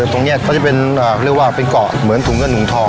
ตรงนี้เขาจะเป็นเรียกว่าเป็นเกาะเหมือนถุงเงินถุงทอง